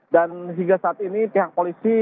dan hingga saat ini pihak polisi